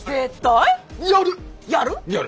やる！